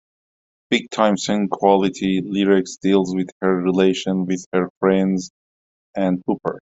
"Big Time Sensuality" lyrics deals with her relation with her friends and Hooper.